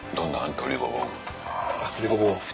鶏ごぼう。